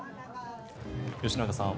吉永さん